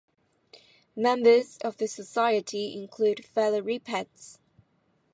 Members of the society include Valerie Petts.